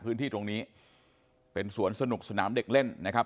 พื้นที่ตรงนี้เป็นสวนสนุกสนามเด็กเล่นนะครับ